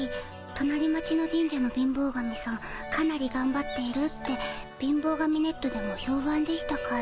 となり町の神社の貧乏神さんかなりがんばっているって貧乏神ネットでもひょうばんでしたから。